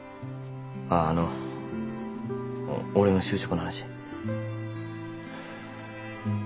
あっあのおっ俺の就職の話。